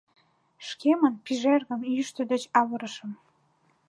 Шкемын пижергым, йӱштӧ деч авырышым